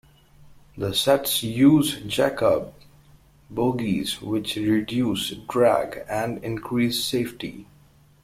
The sets used Jacobs bogies, which reduce drag and increase safety.